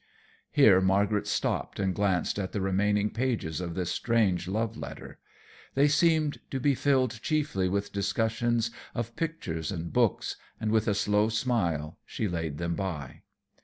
Here Margaret stopped and glanced at the remaining pages of this strange love letter. They seemed to be filled chiefly with discussions of pictures and books, and with a slow smile she laid them by.